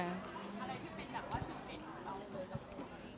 อะไรที่เป็นที่จะให้ชุดเด้นตัวเอง